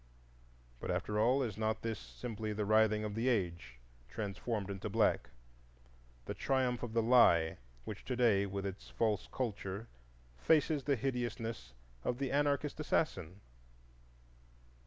But, after all, is not this simply the writhing of the age translated into black,—the triumph of the Lie which today, with its false culture, faces the hideousness of the anarchist assassin?